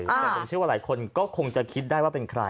แต่ผมเชื่อว่าหลายคนก็คงจะคิดได้ว่าเป็นใคร